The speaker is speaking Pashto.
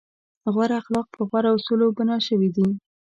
غوره اخلاق په غوره اصولو بنا شوي وي.